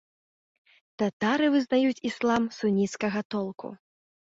Татары вызнаюць іслам суніцкага толку.